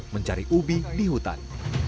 mencari ubi di hutan